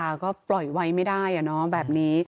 ค่ะก็ปล่อยไว้ไม่ได้แบบนี้